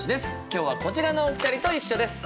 今日はこちらのお二人と一緒です。